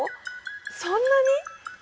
そんなに？